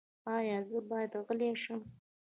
ایا زه باید غل شم؟